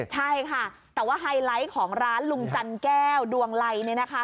ใช่ค่ะแต่ว่าไฮไลท์ของร้านลุงจันแก้วดวงไลเนี่ยนะคะ